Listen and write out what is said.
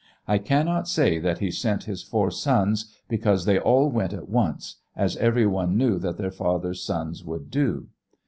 I can not say that he sent his four sons, because they all went at once, as everyone knew that their father's sons would go.